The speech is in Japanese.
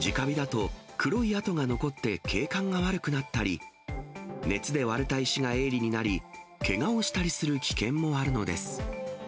直火だと黒い跡が残って景観が悪くなったり、熱で割れた石が鋭利になり、けがをしたりする危険もあるのです。